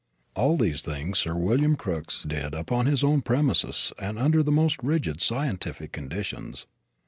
All these things Sir William Crookes did upon his own premises and under the most rigid scientific conditions.